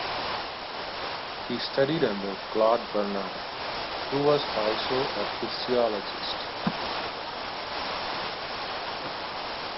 He studied under Claude Bernard, who was also a physiologist.